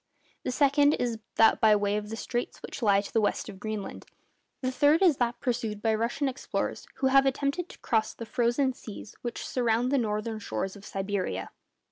The second is that by way of the straits which lie to the west of Greenland. The third is that pursued by Russian explorers who have attempted to cross the frozen seas which surround the northern shores of Siberia.